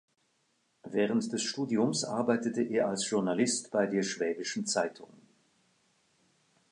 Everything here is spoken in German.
Während des Studiums arbeitete er als Journalist bei der Schwäbischen Zeitung.